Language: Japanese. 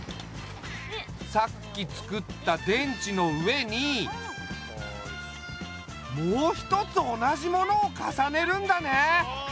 さっきつくった電池の上にもう一つ同じものを重ねるんだね。